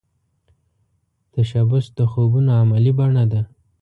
تشبث د خوبونو عملې بڼه ده